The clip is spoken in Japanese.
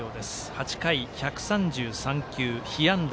８回１３３球被安打